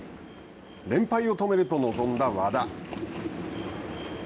連敗と止めると臨んだ和田。